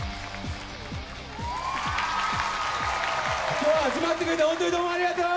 今日は集まってくれてホントにどうもありがとう。